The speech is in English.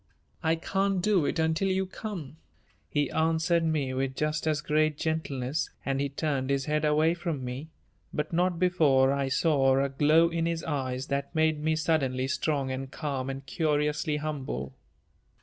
"I can't do it until you come," he answered me with just as great gentleness and he turned his head away from me, but not before I saw a glow in his eyes that made me suddenly strong and calm and curiously humble.